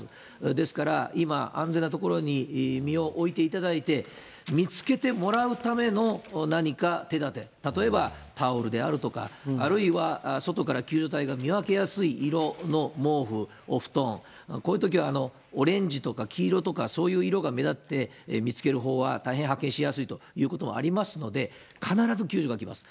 ですから、今、安全な所に身を置いていただいて、見つけてもらうための何か手だて、例えばタオルであるとか、あるいは外から救助隊が見分けやすい色の毛布、お布団、こういうときはオレンジとか黄色とか、そういう色が目立って、見つけるほうは大変発見しやすいということがありますので、必ず救助が来ます。